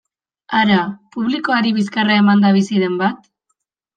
Hara, publikoari bizkarra emanda bizi den bat?